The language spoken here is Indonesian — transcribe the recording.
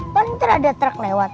mungkin ada truk lewat